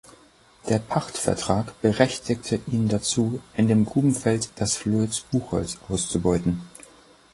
Der Pachtvertrag berechtigte ihn dazu, in dem Grubenfeld das Flöz Buchholz auszubeuten.